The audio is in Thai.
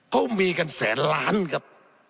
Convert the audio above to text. เขามีกันแสนล้านครับ